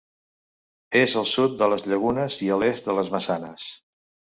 És al sud de les Llagunes i a l'est de les Maçanes.